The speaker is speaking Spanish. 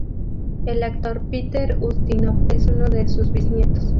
El actor Peter Ustinov es uno de sus bisnietos.